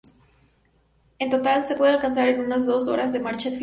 En total, se puede alcanzar en unas dos horas de marcha efectiva.